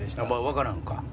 分からんか。